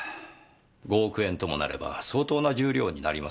５億円ともなれば相当な重量になりますからねぇ。